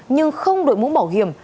nhưng không đổi mũ bảo hiểm